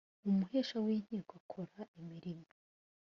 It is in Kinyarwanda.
umuhesha w’inkiko akora imirimo